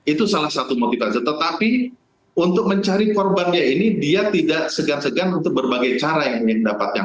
itu salah satu motivasi tetapi untuk mencari korbannya ini dia tidak segan segan untuk berbagai cara yang ingin mendapatkan